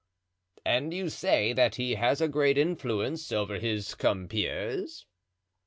"And you say that he has a great influence over his compeers?"